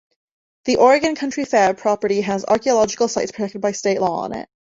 The Oregon Country Fair property has archaeological sites protected by state law on it.